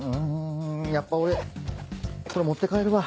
やっぱ俺これ持って帰るわ。